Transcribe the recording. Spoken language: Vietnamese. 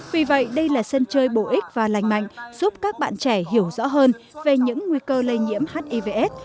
vì vậy đây là sân chơi bổ ích và lành mạnh giúp các bạn trẻ hiểu rõ hơn về những nguy cơ lây nhiễm hivs